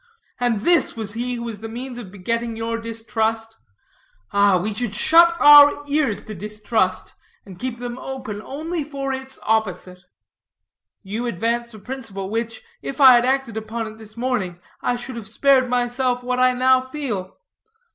And this was he who was the means of begetting your distrust? Ah, we should shut our ears to distrust, and keep them open only for its opposite." "You advance a principle, which, if I had acted upon it this morning, I should have spared myself what I now feel.